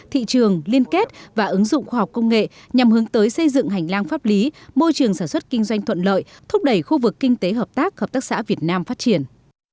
thị trường liên kết và ứng dụng khoa học công nghệ nhằm hướng tới xây dựng hành lang pháp lý môi trường sản xuất kinh doanh thuận lợi thúc đẩy khu vực kinh tế hợp tác hợp tác xã việt nam phát triển